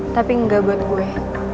tapi enggak buat gue